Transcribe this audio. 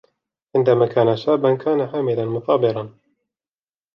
عندما كان شاباً ، كان عاملاً مثابراً.